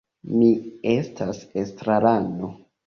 Mi estas estrarano.